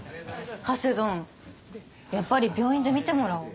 ハセドンやっぱり病院で診てもらおう。